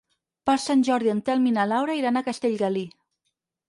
Per Sant Jordi en Telm i na Laura iran a Castellgalí.